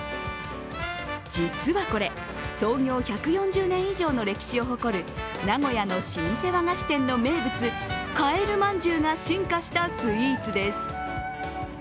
実はこれ創業１４０年以上の歴史を誇る名古屋の老舗和菓子店の名物、カエルまんじゅうが進化したスイーツです。